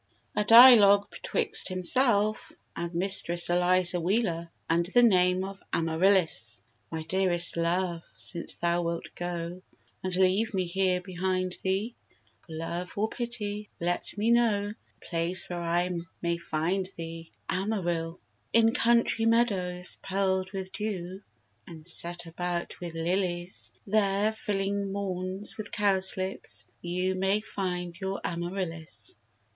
35. A DIALOGUE BETWIXT HIMSELF AND MISTRESS ELIZA WHEELER, UNDER THE NAME OF AMARILLIS My dearest Love, since thou wilt go, And leave me here behind thee; For love or pity, let me know The place where I may find thee. AMARIL. In country meadows, pearl'd with dew, And set about with lilies; There, filling maunds with cowslips, you May find your Amarillis.